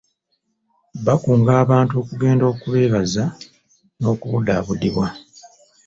Bakunga abantu okugenda okwekebeza n'okubudaabudibwa..